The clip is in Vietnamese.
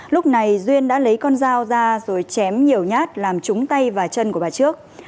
lúc này duyên đã lấy con dao ra rồi chém nhiều nhát làm trúng tay và chân của bà trước